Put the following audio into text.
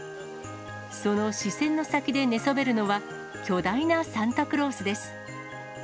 その視線の先で寝そべるのは、巨大なサンタクロースです。